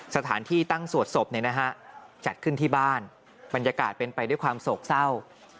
สถานที่ตั้งสวดศพจัดขึ้นที่บ้านบรรยากาศเป็นไปด้วยความโศกเศร้า